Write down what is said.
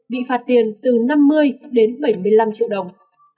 bị phạt tiền từ năm mươi đến bảy mươi năm triệu đồng